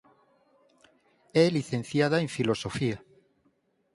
É licenciada en Filosofía.